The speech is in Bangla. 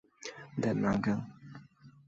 দেন না আংকেল।